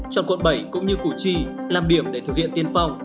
chọn quận bảy cũng như củ chi làm điểm để thực hiện tiên phong